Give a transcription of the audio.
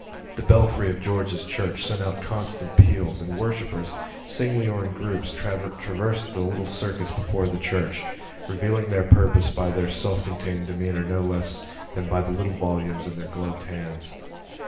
The belfry of George's Church sent out constant peals and worshippers, singly or in groups, traversed the little circus before the church, revealing their purpose by their self contained demeanour no less than by the little volumes in their gloved hands.